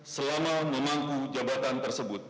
selama menangku jabatan tersebut